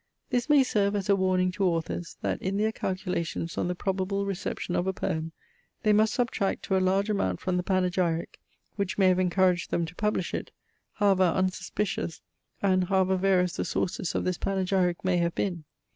This may serve as a warning to authors, that in their calculations on the probable reception of a poem, they must subtract to a large amount from the panegyric, which may have encouraged them to publish it, however unsuspicious and however various the sources of this panegyric may have been.